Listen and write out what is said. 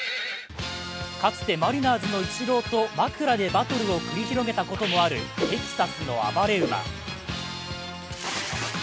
かつてマリナーズのイチローと枕でバトルを繰り広げたこともあるテキサスの暴れ馬。